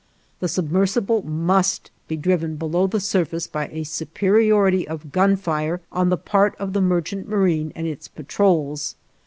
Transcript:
The submersible must be driven below the surface by a superiority of gunfire on the part of the merchant marine and its patrols.